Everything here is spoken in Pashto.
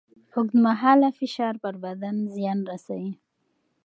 اوږدمهاله فشار پر بدن زیان رسوي.